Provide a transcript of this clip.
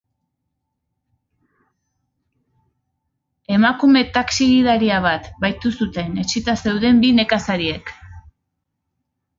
Emakume taxi-gidaria bat bahitu zuten etsita zeuden bi nekazariek.